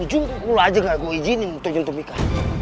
ujung kuku lo aja gak gue izinin ngintuin mika